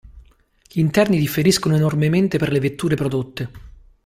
Gli interni differiscono enormemente per le vetture prodotte.